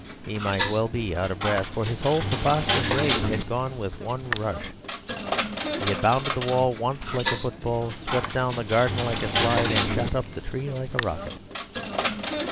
He might well be out of breath, for his whole preposterous raid had gone with one rush; he had bounded the wall once like a football, swept down the garden like a slide, and shot up the tree like a rocket.